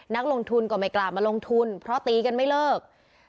นักลงทุนก็ไม่กล้ามาลงทุนเพราะตีกันไม่เลิก